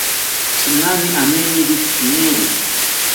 Tzinani amineri tzimeri